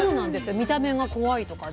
見た目が怖いとかね。